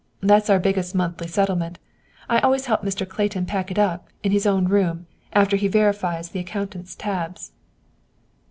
That's our biggest monthly settlement. I always help Mr. Clayton pack it up, in his own room, after he verifies the accountant's tabs."